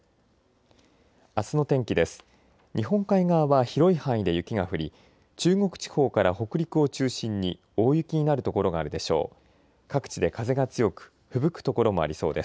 あすの天気です。